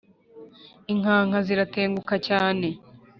inkanka ziratenguka cyane